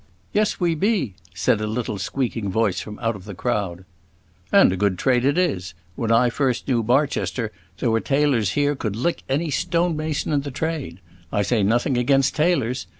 "Yes, we be," said a little squeaking voice from out of the crowd. "And a good trade it is. When I first knew Barchester there were tailors here could lick any stone mason in the trade; I say nothing against tailors.